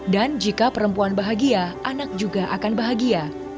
dan jika perempuan bahagia anak juga akan bahagia